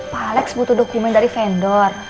pak alex butuh dokumen dari vendor